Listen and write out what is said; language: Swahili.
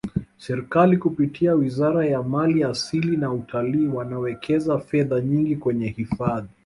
serikali kupitia wizara ya mali asili na utalii wanawekeza fedha nyingi kwenye hifadhi